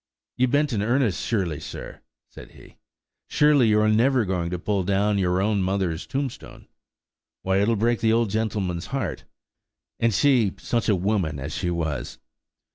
"You ben't in earnest surely, sir?" said he. "Surely you're never going to pull down your own mother's tombstone? Why, it'll break the old gentleman's heart–and she such a woman as she was!"